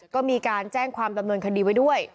ก็มีการแจ้งความดำเนินคดีไว้ด้วย